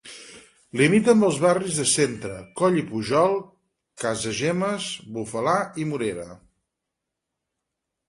Limita amb els barris de Centre, Coll i Pujol, Casagemes, Bufalà i Morera.